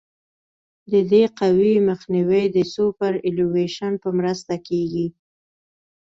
د دې قوې مخنیوی د سوپرایلیویشن په مرسته کیږي